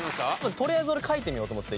とりあえず俺書いてみようと思って。